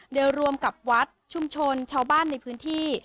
โดยรวมกับวัดชุมชนชาวบ้านในพื้นที่